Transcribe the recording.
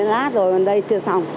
rồi đây chưa xong